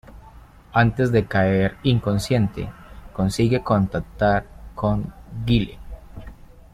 Antes de caer inconsciente consigue contactar con Guile.